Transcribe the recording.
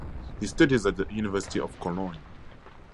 She studies at the University of Cologne.